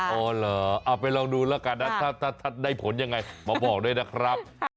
อ๋อเหรอเอาไปลองดูแล้วกันนะถ้าได้ผลยังไงมาบอกด้วยนะครับ